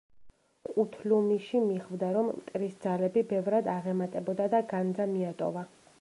ყუთლუმიში მიხვდა, რომ მტრის ძალები ბევრად აღემატებოდა და განძა მიატოვა.